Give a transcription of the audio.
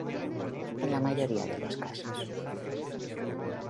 En la mayoría de los casos.